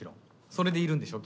それでいるんでしょ？